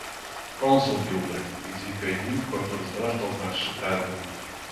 — Консул бил бре — извика един, който разбра що значеше тая дума.